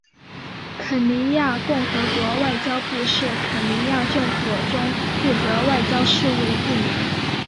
肯尼亚共和国外交部是肯尼亚政府中负责外交事务的部门。